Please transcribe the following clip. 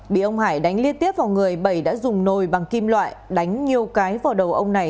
bị ông hải đánh liên tiếp vào người bẩy đã dùng nồi bằng kim loại đánh nhiều cái vào đầu ông này